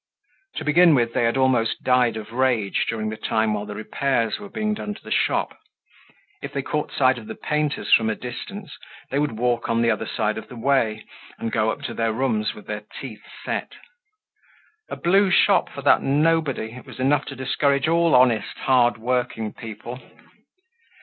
To begin with, they had almost died of rage during the time while the repairs were being done to the shop. If they caught sight of the painters from a distance, they would walk on the other side of the way, and go up to their rooms with their teeth set. A blue shop for that "nobody," it was enough to discourage all honest, hard working people!